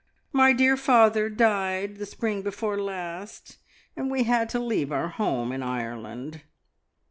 My dear father died the spring before last, and we had to leave our home in Ireland.